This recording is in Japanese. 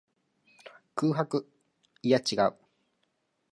空白。いや、違う。